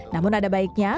namun ada baiknya